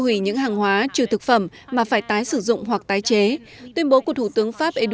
hủy những hàng hóa trừ thực phẩm mà phải tái sử dụng hoặc tái chế tuyên bố của thủ tướng pháp edu